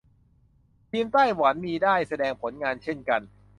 ทีมไต้หวันมีได้แสดงผลงานเช่นกัน